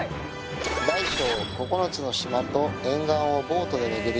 大小９つの島と沿岸をボートで巡り